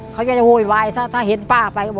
เขาจะโหยวายถ้าเห็นป้าไป